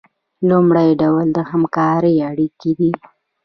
لومړی ډول د همکارۍ اړیکې دي.